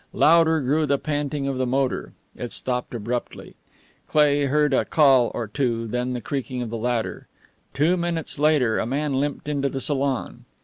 Louder grew the panting of the motor. It stopped abruptly. Cleigh heard a call or two, then the creaking of the ladder. Two minutes later a man limped into the salon.